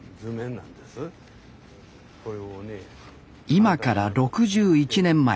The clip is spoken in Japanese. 今から６１年前。